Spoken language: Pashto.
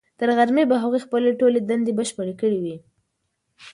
تر غرمې به هغوی خپلې ټولې دندې بشپړې کړې وي.